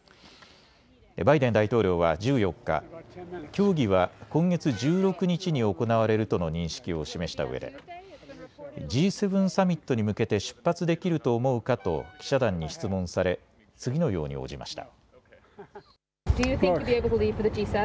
バイデン大統領は１４日、協議は今月１６日に行われるとの認識を示したうえでＧ７サミットに向けて出発できると思うかと記者団に質問され次のように応じました。